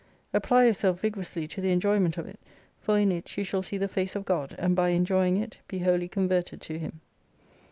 Apply yourself vigorously to the enjoyment of it, for in it you shall see the face of God, and by enjoying it, be wholly converted to Him.